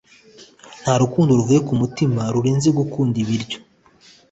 nta rukundo ruvuye ku mutima rurenze gukunda ibiryo